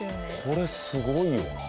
これすごいよな。